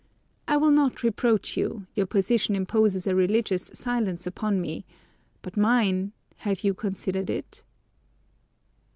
I will not reproach you; your position imposes a religious silence upon me; but mine have you considered it?